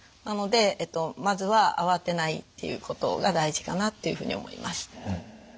なのでまずはあわてないっていうことが大事かなっていうふうに思います。